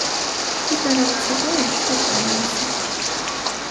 І здарылася тое, што здарылася.